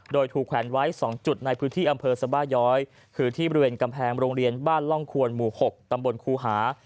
โดยถูกแขวนไว้๒จุดในพื้นที่อำเภอสบาย้อยคือที่บริเวณกำแพงโรงเรียนบ้านร่องควรหมู่๖ตำบลครูหา